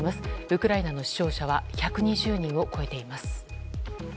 ウクライナの死傷者は１２０人を超えています。